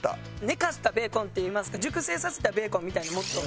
寝かしたベーコンっていいますか熟成させたベーコンみたいにもっと。